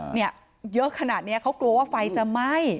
เนี่ยเยอะขนาดนี้เขากลัวว่าไฟจะไหม้